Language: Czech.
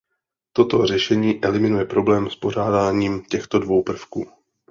Toto řešení eliminuje problém s pořadím těchto dvou prvků.